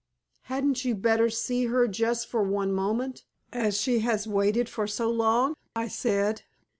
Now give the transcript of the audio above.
"Hadn't you better see her just for one moment, as she has waited for so long?" I said.